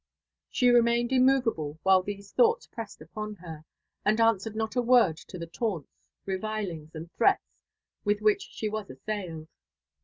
She remained immovable while these thoughts pressed upon her, and answered not a word to the taunts, revilings, and threats with which she was assailed.